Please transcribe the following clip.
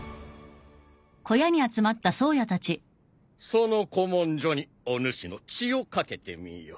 その古文書にお主の血を掛けてみよ。